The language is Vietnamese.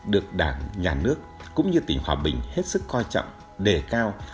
được đảng nhà nước cũng như tỉnh hòa bình hết sức coi trọng đề cao